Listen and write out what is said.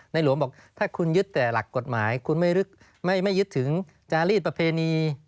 หลวงบอกถ้าคุณยึดแต่หลักกฎหมายคุณไม่ยึดถึงจารีดประเพณี